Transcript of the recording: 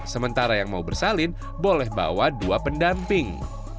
sementara yang mau bersalin boleh bawa dua pendamping